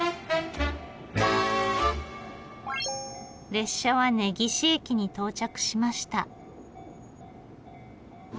列車は根岸駅に到着しました。